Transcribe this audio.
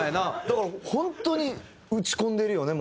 だから本当に打ち込んでるよね。